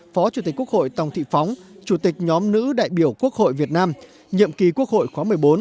phó chủ tịch quốc hội tòng thị phóng chủ tịch nhóm nữ đại biểu quốc hội việt nam nhiệm kỳ quốc hội khóa một mươi bốn